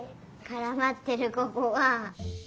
からまってるここが。